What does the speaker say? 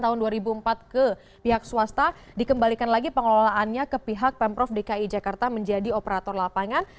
tahun dua ribu empat ke pihak swasta dikembalikan lagi pengelolaannya ke pihak pemprov dki jakarta menjadi operator lapangan